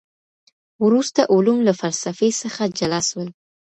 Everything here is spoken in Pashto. وروسته علوم له فلسفې څخه جلا سول.